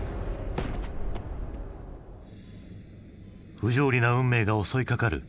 不条理な運命が襲いかかる。